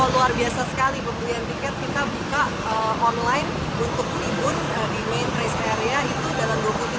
luar biasa sekali pembelian tiket kita buka online untuk libun di main trace area itu dalam dua puluh tiga menit sold out